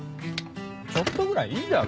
ちょっとぐらいいいだろ。